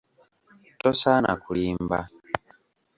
Tosaana kulimba.